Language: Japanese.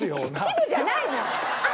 恥部じゃないもん！